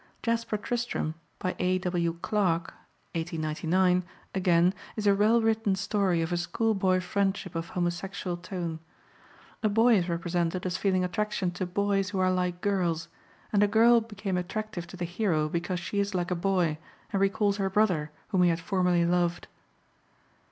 Jaspar Tristram, by A.W. Clarke (1899), again, is a well written story of a schoolboy friendship of homosexual tone; a boy is represented as feeling attraction to boys who are like girls, and a girl became attractive to the hero because she is like a boy and recalls her brother whom he had formerly loved.